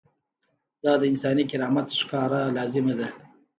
دا د انساني کرامت ښکاره لازمه ده.